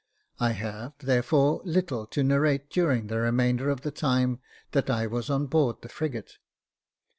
I have, therefore, little to narrate during the remainder of the time that I was on board the frigate.